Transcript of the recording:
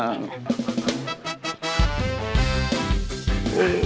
โอ้โฮสามหมื่น